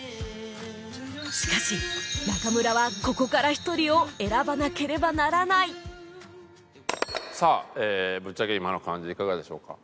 しかし中村はここから１人を選ばなければならないさあぶっちゃけ今の感じはいかがでしょうか？